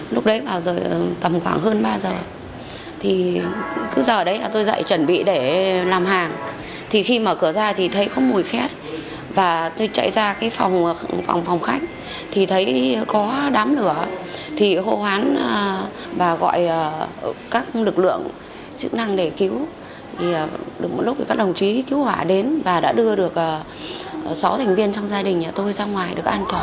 lúc đấy vào rồi tầm khoảng hơn ba giờ thì cứ giờ đấy là tôi dậy chuẩn bị để làm hàng thì khi mở cửa ra thì thấy có mùi khét và tôi chạy ra cái phòng khách thì thấy có đám lửa thì hộ hoán và gọi các lực lượng chức năng để cứu thì đúng lúc các đồng chí cứu hỏa đến và đã đưa được sáu thành viên trong gia đình nhà tôi ra ngoài được an toàn